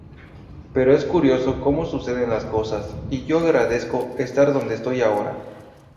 Pero es curioso cómo suceden las cosas, y yo agradezco estar donde estoy ahora".